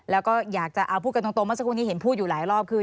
แล้วก็อยากจะเอาพูดกันตรงเมื่อสักครู่นี้เห็นพูดอยู่หลายรอบคือ